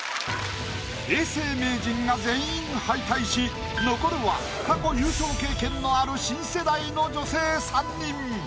永世名人が全員敗退し残るは過去優勝経験のある新世代の女性３人。